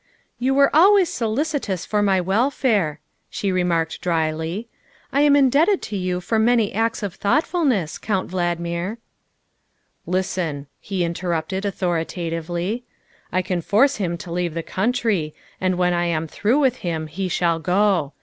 " You were always solicitous for my welfare," she remarked dryly. " I am indebted to you for many acts of thought f ulness, Count Valdmir." " Listen," he interrupted authoritatively, " I can force him to leave the country, and when I am through with him he shall go.